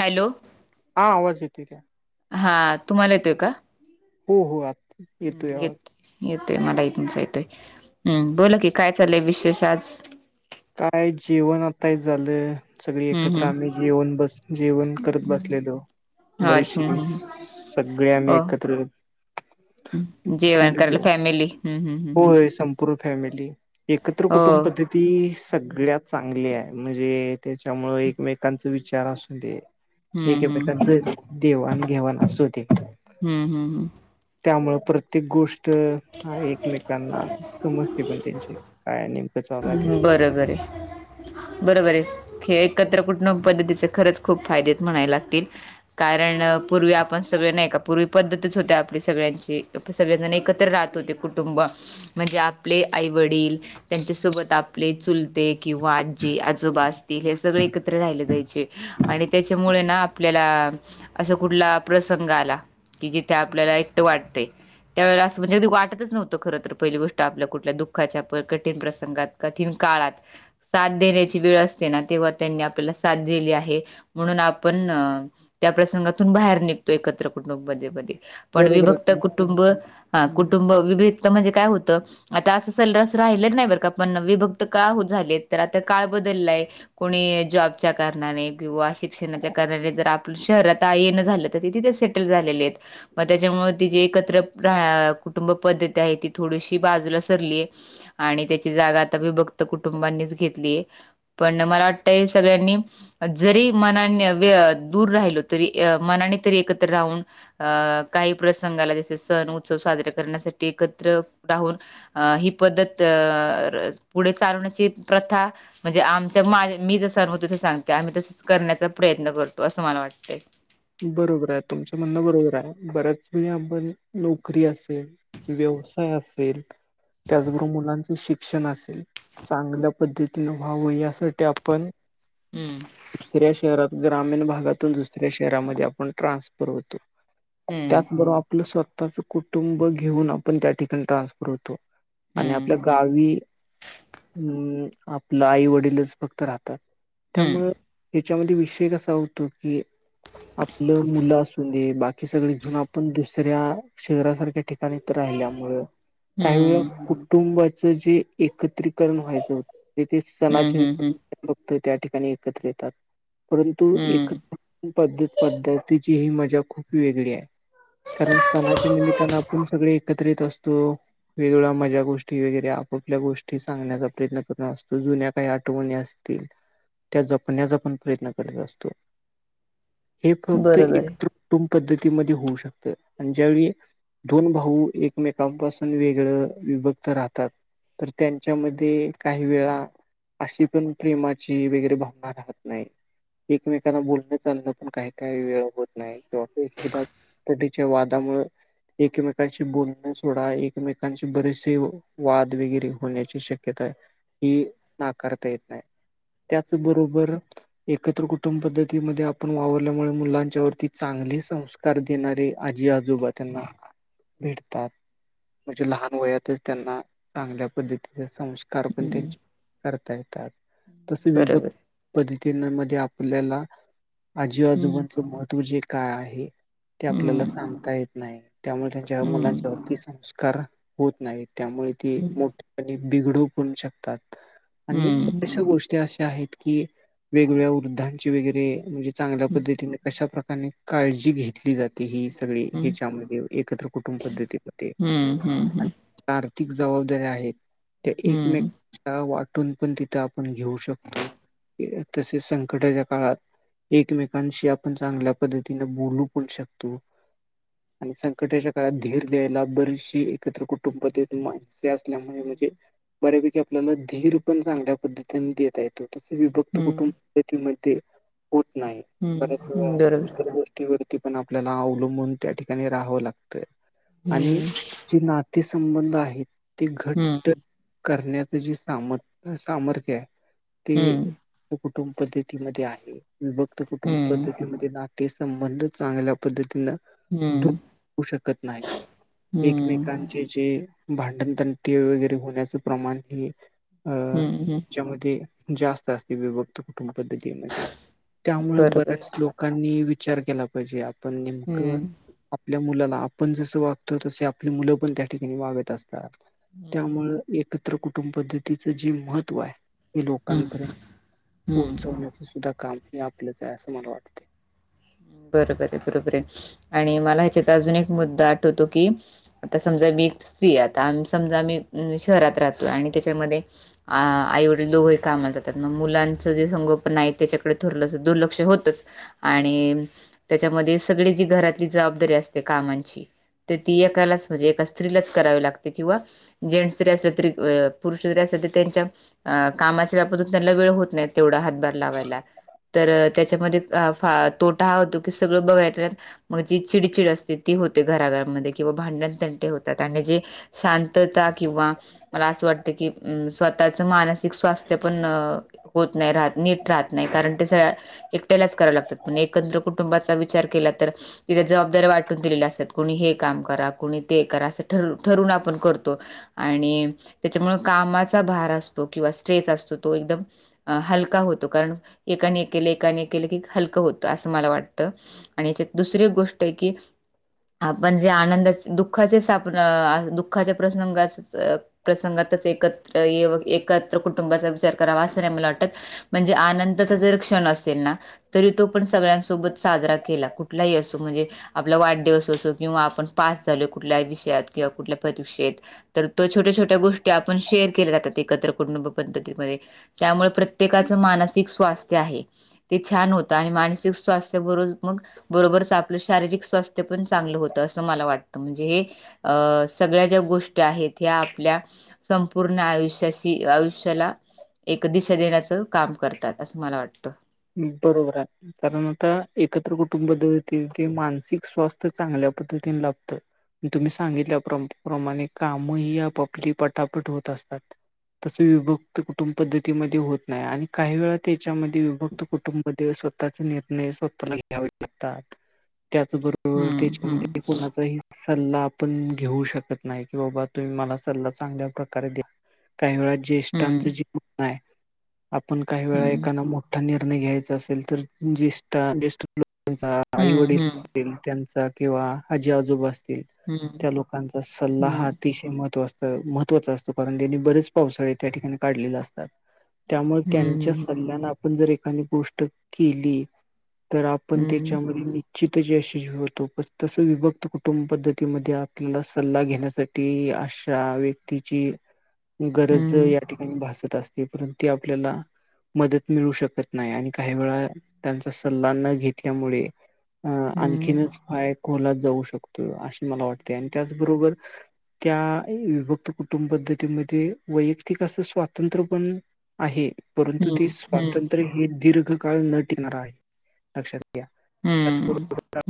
Hello! हा आवाज येतोय की. हा, तुम्हाला येतोय का. हो हो आला. हम्म येत येतोय, मलाही तुमचा येतोय, हम्म बोला की, काय चाललंय विशेष आज. काय जेवण आता हेच झालं. सगळी हम्म एकत्र आम्ही हम्म जेवण बस जेवण करत बसलेलो. ह हम्म बरीचशी हम्म सगळे आम्ही हो एकत्र. जेवण करायला बसलेलो. फॅमिली, हम्म हम्म हम्म. पुर्ण फॅमिली, एकत्र कुटुंब हो पद्धती सगळ्यात चांगली आहे, म्हणजे त्याच्यामुळं एकमेकांच विचार असू दे, हम्म हम्म ऐकमेकांचं देवाण घेवाण असू दे हम्म हम्म हम्म. त्यामुळं प्रत्येक गोष्ट एकमेकांना समजते पण त्यांचे, काय नेमकं चालु आहे हम्म त्याचं. बरोबर हे. बरोबर आहे, हे एकत्र कुटुंब पद्धतीचे खरंच खूप फायदे आहेत म्हणाय लागतील. कारण पूर्वी आपण सगळे नाही का, पूर्वी पद्धतच होती आपली सगळ्यांची, सगळेजण एक एकत्र राहत होते कुटुंब, म्हणजे आपले आई वडील त्यांच्यासोबत आपले चुलते, किंवा आजी आजोबा असतील हे सगळं एकत्र राहिले जायचे. आणि त्याच्यामुळे ना आपल्याला, असं कुठला प्रसंग आला कि जिथं आपल्याला एकटं वाटतय, त्यावेळेला म्हणजे कधी वाटतच नव्हतं खर तर, पहिली गोष्ट आपल्या कुठल्या दुःखाच्या कठीण प्रसंगात कठीण काळात साथ देण्याची वेळ असते ना, तेव्हा त्यांनी आपल्याला साथ दिली आहे, म्हणून आपण अं त्या प्रसंगातून बाहेर निघतोय एकत्र कुटुंब पद्धतीमध्ये. पण बरोबर विभक्त आहे कुटुंब, हा कुटुंब विभक्त म्हणजे काय होतं? आता असं सल्लास राहिले नाही बर का, पण विभक्त का झालेत, तर आता काळ बदललाय कोणी जॉबच्या कारणाने किंवा शिक्षणाच्या कारणाने जर आप लं शहरात आ येण झालं तर ते तिथे सेटल झालेले आहेत मग त्याच्यामुळे ती जी एकत्र राह या कुटुंब पद्धती आहे ती थोडीशी बाजूला सरली आहे. आणि त्याची जागा आता वीभक्त कुटुंबांनीच घेतलीये. पण मला वाटतं हे सगळ्यांनी जरी मनाने वय दूर राहिलो य तरी मनाने तरी एकत्र राहून अ काही प्रसंग आला जसे सण उत्सव साजरे करण्यासाठी एकत्र राहून अ ही पद्धत अ पुढे चालवण्याची प्रथा म्हणजे आमच्या माझं मी [unintelligible] तसं सांगते आम्ही तसंच करण्याचा प्रयत्न करतो असं मला वाटतं. बरोबर आहे तुमच म्हणणं बरोबर आहे बऱ्याच वेळी आपण नोकरी असे व्यवसाय असेल त्याच बरोबर मुलांचे शिक्षण असेल चांगल्या पद्धतीने व्हावं यासाठी आपण हम्म दुसऱ्या शहरात ग्रामीण भागातून दुसऱ्या शहरामध्ये आपण ट्रान्सफर होतो हम्म त्याचबरोबर आपलं स्व तःच कुटुंब घेऊन आपण त्या ठिकाणी ट्रान्सफर होतो. आणि आपल्या गावी उम्म आपलं आई वडीलच फक्त राहतात हम्म त्यामूळं याच्यामध्ये विषय कसा होतो की आपलं मुलं असून दे बाकी सगळी घेऊन आपण दुसऱ्या शहरासारख्या ठिका णी राहिल्यात मुळं काही वेळ हम्म कुटुंबाचा जे एकत्रीकरण व्हायचं होतं ते ते हम्म हम्म सणाचे. हम्म हम्म [unintelligible] बघतोय त्या ठिकाणी एकत्र येतात परंतु हम्म एकत्र पद्धत पद्धतीची ही मजा खूप वेगळी आहे. कारण सणाच्या निमित्तानं आपण सगळे एकत्रित असतो. वेगळ्या मजा गोष्टी वगैरेया आप-आपल्या गोष्टी सांगण्याचा प्रयत्न करत असतो जुन्या काही आठवणी अस ते त्या जपण्याचा आपण प्रयत्न करत असतो. हे फक्त बरोबर आहे एकत्र कुटुंब पद्धतीमध्ये होऊ शकतं आणि ज्यावेळी दोन भाऊ एकमेकांपासून वेगळं विभक्त राहतात तर त्यांच्यामध्ये काही वेळा अशी पण प्रेमाची वगैरे भावना राहत नाही एकमेकांना बोल बोलणं चालणं पण काय-काय वेळा होत नाही [unintelligible] प्रॉपर्टीच्या वादामुळं एकमेकांशी बोलणं सोडा एकमेकांचे बरेचसेव वाद वगैरे होण्याची शक्यता ही नाकारता येत नाय. त्याच बरोबर एकत्र कुटुंब पद्ध तीमध्ये आपण वावरल्यामुळे मुलांच्या वरती चांगले संस्कार देणारे आजी आजोबा त्यांना भेटतात म्हणजे लहान वयातच त्यांना चांगल्या पद्धतीचे संस् कार पण हम्म त्यांच्या करता येतात तसं विभक् बरोबर पद्धतीन मध्ये आपल्याला हं, आजी-आजोबांच महत्त्व जे काय आहे ते आपल्याला हं, सांगता येत नाही त्यामुळे त्यांच्या हं, मुलांच्या वरती सन स्कार होत नाही त्यामुळे ते हं, मोठेपणी बिगडू पण शकतात. आणि हं, बराचश्या गोष्टी अशे आहेत की वेगवेगळ्या वृद्धांच् चे वगैरे म्हणजे चांगल्या पद्धतीने कशा प्रकार ने काळजी घेतली जाते ही सगळी हं, ह्याच्यामध्ये एकत्र कुटुंब पद्धतीलं ते हं, हं, आणि हं, आर्थिक जबाबदारीया आहे ते हं. एकमेका वाटून पण तिथं आपण घेऊ शकतो. ये तसेच संकटाच्या काळात, एकमेकांशी आपण चांगल्या पद्धतीने बोलू पण शकतो. आणि संकटाच्या काळात धीर द्यायला बरीचशी एकत्र कुटुंब पद्धती असल्यामुळे म्हणजे बऱ्यापैकी आपल्याला धीर पण चांगल्या पद्धतीने देता येतो. तस विभक्त कुटुंब हं, पद्धती मध्ये होत नाही, बऱ्याच वेळा हं, बरोबर. इतर गोष्टी वरती पण आपल्याला अवलंबून त्या ठिकाणी राहावं लागतय, आणि हं, जी नाती संबंध आहेत ती घट्ट करण्याचे जे सामथ- सामर्थ्य आहे हं, ते हं, कुटुंब पद्धती मध्ये आहे, विभक्त कुटुंब हं, पद्धतीमध्ये नाते संबंध चांगल्या पद्धतीनं हं, दुखवु शकत नाही. हं, एकमेकांचे जे भांडण तंटे वगैरे होण्याच प्रमाण हे अ हं. त्याच्यामध्ये जास्त असते विभक्त कुटुंब पद्धतीमध्ये. त्यामुळे बरोबर. बऱ्याच लोकांनी विचार केला पाहिजे आपण नेमकं हं, आपल्या मुलाला, आपण जसं वागतो तस आपली मुलं पण त्या ठिकाणी वागत असतात हं, त्यामुळ एकत्र कुटुंब पद्धतीचं जे महत्त्व हाय हे हं, हं, लोकांपर्यंत हं. पोहोचवण्याच सुद्धा काम हे आपलंच हाय असं मला वाटत. बरोबर ये बरोबर ये आणि मला ह्याच्यात अजून एक मुद्दा आठवतो की आता समजा मी एक स्त्री ये आता, आम समजा मी शहरात राहतो, आणि त्याच्यामध्ये आ आईवडील दोघंही कामाला जातात, मग मुलांचं जे संगोपन आहे त्याच्याकडे थोडंस दुर्लक्ष होतच आणि त्याच्यामध्ये सगळी जी घरातली जबाबदारी असते कामांची तर ती एकालाच म्हणजे एका स्त्रीलाच करावी लागते किंवा जेंट्स जरी असल तरी, पुरुष जरी असलं तरी तेंच्या अं कामाच्या व्यापातून त्यानला वेळ होत नाही तेवढा हात भार लावायला, तर त्याच्यामध्ये अं फा तोटा हा होतो की सगळं बघाय मग जी चिडचिड असते ती होते घराघरमध्ये, किंवा भांडणतंटे होतात, आणि जे शांतता किंवा मला असं वाटतं की अं स्वतःच मानसिक स्वास्थ्य पण अ होत नाही, राहत नीट राहत नाही, कारण ते सगळ्या एकट्यालाच कराव लागतात पण एकत्र कुटुंबाचा विचार केला तर तिथं जबाबदऱ्या वाटून दिलेल्या असतात, कोणी हे काम करा, कोणी ते करा, असं ठर ठरून आपण करतो आणि तेच्यामुळ कामाचा भार असतो, किंवा स्ट्रेच असतो तो एकदम हलका होतो, कारण एकाने एक केलं, एकाने एक केलं, की हलकं होत. त असं मला वाटतं, आणि याच्यात दुसरी गोष्ट ये की आपण जे आनंदाचे, दुःखाचे साप दुःखाचे प्रसंग आस प्रसंगातच एकत्र- एकत्र कुटुंबाचा विचार करावा असं नाही मला वाटत म्हणजे आनंदचा जर क्षण असेल ना तरी तो पण सगळ्यांसोबत साजरा केला, कुठलाही असो म्हणजे आपला वाढदिवस असो, किंवा आपण पास झालो कुठल्याही विषयात, किंवा कुठल्या परीक्षेत तर तो छोट्या- छोट्या गोष्टी आपण शेअर केल्या जातात एकत्र कुटुंब पद्धतीमध्ये त्यामुळ प्रत्येकाच मानसिक स्वास्थ्य आहे ते छान होत ताय, आणि मानसिक स्वास्थ बरो मग बरोबरच आपलं शारीरिक स्वास्थ्य पण चांगलं होतं असं मला वाटतं. म्हणजे हे अ सगळ्या ज्या गोष्टी आहेत ह्या आपल्या संपूर्ण आयुष्याशी आयुष्याला एक दिशा देण्याचं काम करतात असं मला वाटतं. बरोबर हाय. कारण आता एकत्र कुटुंब पद्धती होती ते मानसिक स्वास्थ चांगल्या पद्धतीने लाभतं. आणि तुम्ही सांगितल्या प्रम-प्रमाणे काम ही आपआपली पटापट होतं असतात. तस विभक्त कुटुंब पद्धतीमध्ये होत नाही आणि काही वेळा त्याच्यामध्ये विभक्त कुटुंबमध्ये स्वतःचे निर्णय स्वतःला घ्यावे लागतात. त्याच दूर हम्म हम्म त्याच्यामध्ये कोणाचं चाही सल्ला आपण घेऊ शकत नाही, की बाबा तुम्ही मला सल्ला चांगल्या प्रकारे द्या. काही वेळा ज्येष्ठांच जे हम्म म्हणणं आहे, आपण काही वेळा एकानं मोठा नि निर्णय घ्यायचा असेल, तर जेष्ठा ज्येष्ठ [unintelligible] लोकांचा आई हम्म हम्म वडील त्यांचा किंवा आजी आजोबा असतील, हम्म त्या लोकांचा सल्ला हा अतिशय महत्त्व असतं महत्त्वाचं असतं कारण त्यांनी बरेच पावसाळे त्या ठिकाणी काढलेले असतात. त्यामुळे त्यांच्या सल्ल्याने आपण जर एखादी गोष्ट केली. तर आपण हम्म त्याच्यामध्ये हि [unintelligible] होतो तसं विभक्त कुटुंब पद्धतीमध्ये आपल्याला सल्ला घेण्यासाठी ती अशा व्यक्तीची गरज या ठिकाणी भासत असते. परंतू ते आपल्याला मदत मिळू शकत नाही आणि काही वेळा त्यांचा सल्ला न घेतल्यामुळे अ हम्म आणखीनच पाय खोलात जाऊ शकतोय असं मला वाटतंय आणि त्याचबरोबर त्या विभक्त कुटुंब पद्धतीमध्ये वैयक्तिक असं स्वातंत्र पण आहे, परंतु ते हम्म हम्म हम्म स्वातंत्र्य हे दीर्घकाळ न टिकणार आहे लक्षात घ्या. [inaudible] हम्म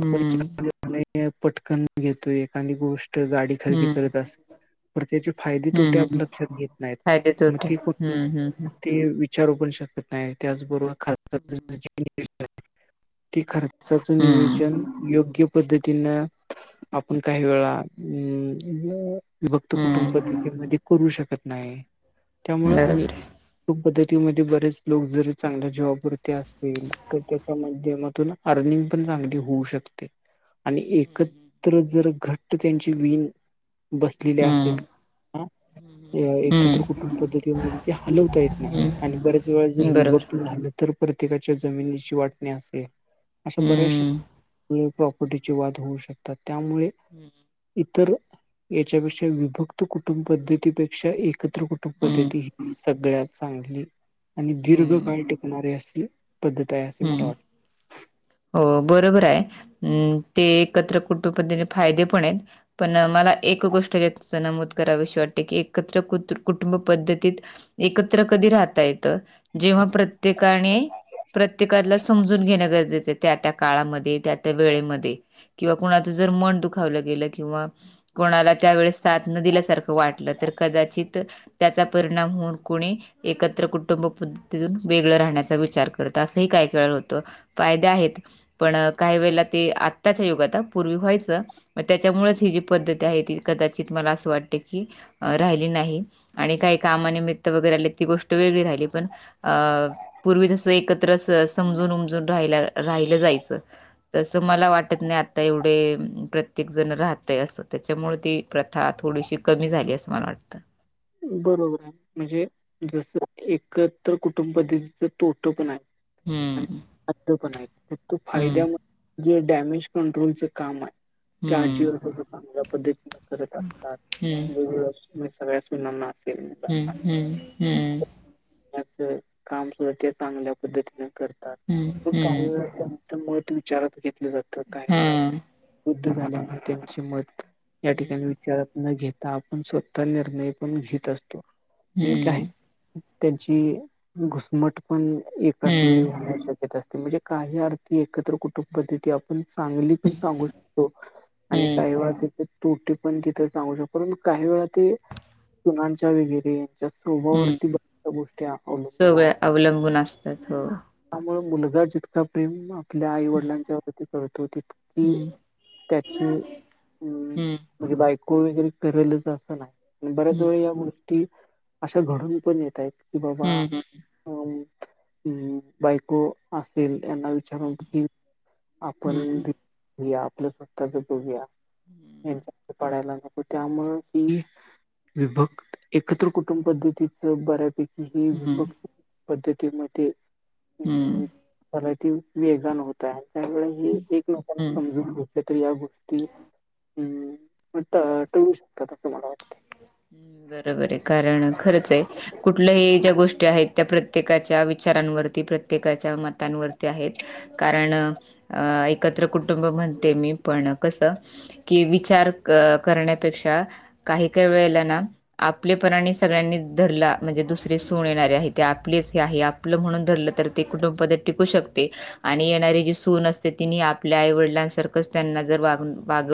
हम्म हम्म [unintelligible] पटकन घेतोय एखादी गोष्ट गाडी हम्म खरेदी हम्म हम्म करत अस तर त्याचे फायदे तोटे हम्म आपण हम्म लक्षात घेत नाहीत. फायदे मग तोटे ते कोण हम्म हम्म ते विचारू पण शकत नाही. त्याचबरोबर [unintelligible] ते खर माणसाचं हम्म हम्म नियोजन योग्य पद्धतीनं आपण काही वेळा अ विभक्त कुटुंब हम्म पद्धतीमध्ये करू शकत नाही. त्यामुळं आणि बरोबर आहे कुटुंब पद्धतीमध्ये बरेच लोक जरी चांगल्या जॉबवरती असेल, तर त्याच्या माध्यमातून अर्निंग पण चांगली होऊ शकते. आणि एकत्र जर घट्ट त्यांची विण बसलेली असतील हम्म हा. अं एकत्र हम्म. कुटुंब पद्धतीमध्ये ते हलवता येत नाही. हम्म. आणि बऱ्याच वेळा जर विभ बरोबर. क्त झालं, तर प्रत्येकाच्या जमिनीची वाटणी असे अश्या बऱ्याचशा हम्म. प्रॉपर्टीची वाद शकतात. त्यामुळे हम्म. इतर याच्यापेक्षा विभक्त कुटुंब पद्धतीपेक क्षा एकत्र कुटुब पद्धती ही सगळ्यात चांगली आणि दीर्घ हम्म. टिकणारी अशी पद्धत आहे असे हम्म. मला वाटते. हो बरोबर आहे. ते एकत्र कुटुंब पद्धतीचे फायदे पण आहेत. पण मला एक गोष्ट त्यात असं नमूद कराविशी वाटते, की एकत्र कुत्र-कुटुंब पद्धतीत एकत्र कधी राहता येतं, जेव्हा प्रत्येकाने प्रत्येकाला समजून घेणं गरजेच आहेत. त्या त्या काळामध्ये, त्या त्या वेळेमध्ये किंवा कुणाचं जर मन दुखावलं गेलं किंवा कोणाला त्यावेळेस साथ नं दिल्यासारखं वाटलं, तर कदाचित त्याचा परिणाम होऊन कोणी एकत्र कुटुंब पद्धतीतून वेगळं राहण्याचा विचार करत असंही काय काय वेळा होतं. फायदे आहेत, पण काही वेळेला ते आत्ताच्या युगात हा पूर्वी व्हायचं मग त्याच्यामुळेच ही जी पद्धती आहे ती कदाचित मला असं वाटते की राहिली नाही, आणि काही कामानिमित्त वगैरे आले ती गोष्ट वेगळी राहिली, पण अ पूर्वी जसं एकत्र समजून उमजून राहिला राहिलं जायचं तसं मला वाटत नाही आता एवढे प्रत्येक जण राहतय असं त्याच्यामुळे ते प्रथा थोडीशी कमी झाली असं मला वाटतं. बरोबर आहे, म्हणजे जस एकत्र कुटुंब पद्धतीच तोट पण हाय. आणि हम्म फायद पण आहेत, फक्त हम्म फायद्या मूळ जे डॅमेज कंट्रोलच काम हाय ते आजी हम्म आजोबा चांगल्या पद्धतीनं करत असतात, हम्म वेगवेगळ्या सगळ्या सुनाना हम्म हम्म हम्मम. याच काम सुद्धा ते चांगल्या पद्धतीने करतात, म काही हम्म वेळा त्यांना मत विचारात घेतलं जातं, काही हम्म वेळात वुद्ध झाल्याने त्यांचे मत या ठिकाणी हम्म विचारात न घेता आपण स्वतः निर्णय पण घेत असतो. ठीक आहे हम्म त्यांची घुसमट पण एकाच वेळी हम्म होण्याची शक्यता असते, म्हणजे काही अर्थी एकत्र कुटुंब पद्धती आ पण चांगली पण सांगू शकतो, आणि हम्म काही वेळा त्याचे तोटे पण तिथं सांगू शकतो, परंतु काही वेळा ते सुनांच्या वगैरे तिच्या हम्म स्वभावरती बऱ्याचश्या गोष्टी अवलंबून आहेत. सगळं अवलंबून असतात हो त्यामुळ मुलगा जितका प्रेम आपल्या आई वडिलांच्या वरती करतो तितकी हम्म त्याची हम्म म्हणजे बायको वगैरे करेलच असं नाही हम्म तो या गोष्टी अशा घडून पण येतायत कि बाबा हम्म अ् बायको असेल यांना वी विचारून की हम्म आपण हम्म बी आपलं स्वतः च बघूया यांच्यात पडायला नको, त्यामुंळ ही विभक्त एकत्र कुटुंब पद्धतीच बऱ्यापैकी हे हम्म विभक्त पद्धतीमध्ये हम्म जरा ते वेगान होत आहे, त्यामुळं हे एकमेकांना हम्म. समजून घेतल्या तरी या गोष्टी टळू शकतात असं मला वाटतंय. हम्म बरोबर ये कारण खरच आहे कुठल्याही ज्या गोष्टी आहेत त्या प्रत्येकाच्या विचारांवरती, प्रत्येकाच्या मतांवरती आहेत कारण अं एकत्र कुटुंब म्हणते मी पण कसं कि विचार करण्यापेक्षा काही काही वेळेला ना आपलेपणाने सगळ्यांनी धरला म्हणजे दुसरी सून येणार आहे ते आपलेच हे आहे आप आपलं म्हणून धरलं तर ते कुटुंब पद्धती टिकू शकते आणि येणारी जी सून असते तिनि आपल्या आई वडिलांसारखंच त्यांना जर वाग वागव